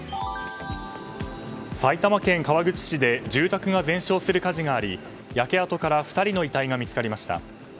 埼玉県川口市で住宅が全焼する火事があり焼け跡から２人の遺体が見つかりました。